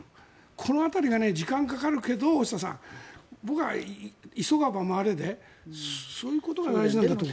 この辺りが時間かかるけど大下さん僕は急がば回れでそういうことが大事だと思う。